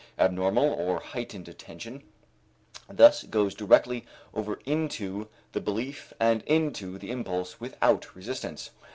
Abnormal or heightened attention thus goes directly over into the belief and into the impulse without resistance.